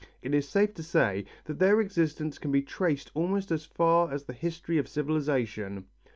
It is safe to say that their existence can be traced almost as far as the history of civilization.